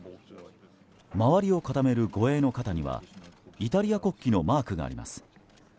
周りを固める護衛の肩にはイタリア国旗のマークがあります。